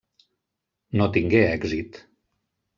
No tingué èxit.